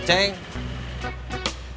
masih ada yang mau berbicara